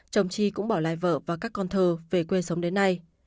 chồng chi cũng bỏ lại vợ và các con thơ về quê sống đến nay